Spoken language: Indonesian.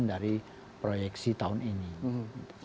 jadi kita akan fokus untuk bangunan bangunan gedung